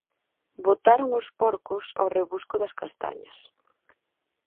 Botaron os porcos ao rebusco das castañas.